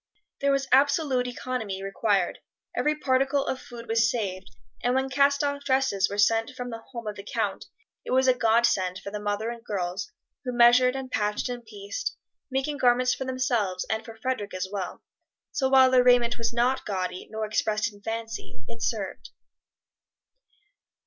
There was absolute economy required, every particle of food was saved, and when cast off dresses were sent from the home of the Count it was a godsend for the mother and girls, who measured and patched and pieced, making garments for themselves, and for Frederic as well; so while their raiment was not gaudy nor expressed in fancy, it served.